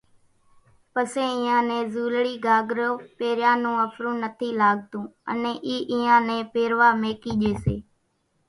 پسيَ اينيان نين زُولڙِي گھاگھرِي پيريان نون ۿڦرون نٿِي لاڳتون انين اِي اينيان نين پيروا ميڪِي ڄيَ سي۔